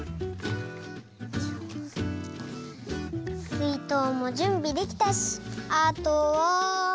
すいとうもじゅんびできたしあとは。